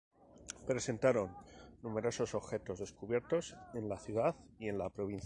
Presentando numerosos objetos descubiertos en la ciudad y en la provincia.